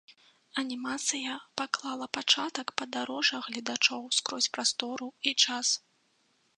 Анімацыя паклала пачатак падарожжа гледачоў скрозь прастору і час.